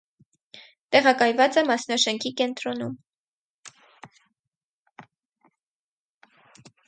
Տեղակայված է մասնաշենքի կենտրոնում։